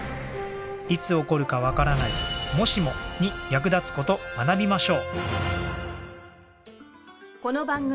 いつ起こるかわからない「もしも」に役立つ事学びましょう。